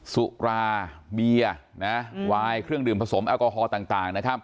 สุราเบียร์วายเครื่องดื่มผสมแอลกอฮอลต่างนะครับ